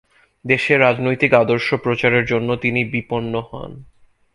দেশে রাজনৈতিক আদর্শ প্রচারের জন্য তিনি বিপন্ন হন।